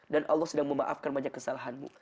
dan allah sedang memaafkan banyak kesalahanmu